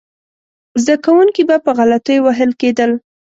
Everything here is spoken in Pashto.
زده کوونکي به په غلطیو وهل کېدل.